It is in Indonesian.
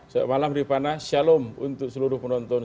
selamat malam rifana shalom untuk seluruh penonton